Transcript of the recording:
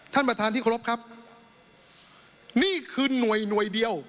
ท่านประธานที่เคารพครับนี่คือหน่วยหน่วยเดียว